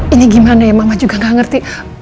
ini gimana ya mama juga gak ngerti